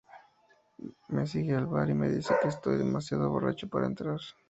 Me sigue al bar y me dice que estoy demasiado borracho para entrar.